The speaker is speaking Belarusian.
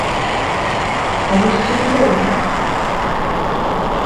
А вось ці надоўга?